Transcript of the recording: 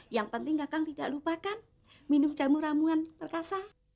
yang penting kakang tidak lupakan minum jamu jamu yang berkasa